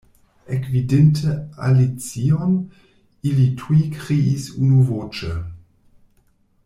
Ekvidinte Alicion, ili tuj kriis unuvoĉe.